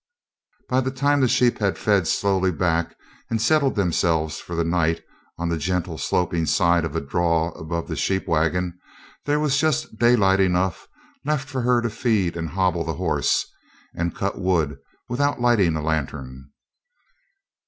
By the time the sheep had fed slowly back and settled themselves for the night on the gently sloping side of a draw above the sheep wagon there was just daylight enough left for her to feed and hobble the horse and cut wood without lighting a lantern.